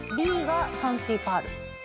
Ａが淡水パール。